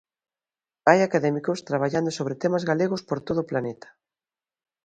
Hai académicos traballando sobre temas galegos por todo o planeta.